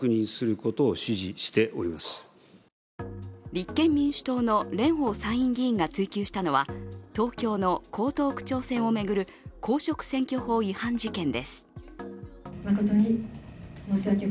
立憲民主党の蓮舫参院議員が追及したのは東京の江東区長選を巡る公職選挙法違反事件です。